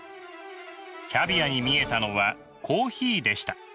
キャビアに見えたのはコーヒーでした。